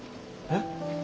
えっ。